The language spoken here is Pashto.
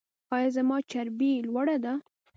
ایا زما چربي لوړه ده؟